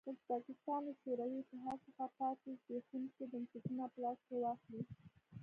ازبکستان له شوروي اتحاد څخه پاتې زبېښونکي بنسټونه په لاس کې واخلي.